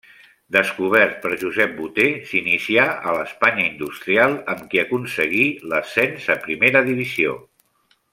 Descobert per Josep Boter, s'inicià a l'Espanya Industrial amb qui aconseguí l'ascens a primera divisió.